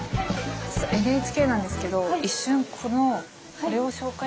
ＮＨＫなんですけど一瞬このこれを紹介したくて。